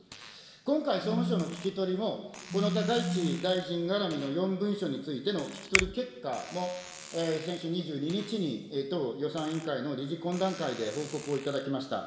今回、総務省の聞き取りも、この高市大臣絡みの４文書についての聞き取り結果も先週２２日に当予算委員会の理事懇談会で報告をいただきました。